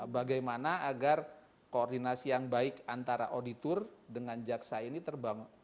bagaimana agar koordinasi yang baik antara auditor dengan jaksa ini terkoordinasi dengan baik